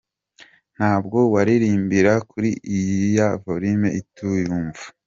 Ntabwo waririmbira kuri iyiya volume utiyumva.